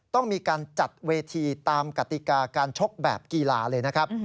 ต้องมีการจัดเวทีตามกติกาการชกแบบกีฬาเลยนะครับ